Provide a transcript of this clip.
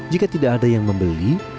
jika tidak ada yang membeli